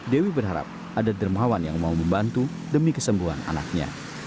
dewi berharap ada dermawan yang mau membantu demi kesembuhan anaknya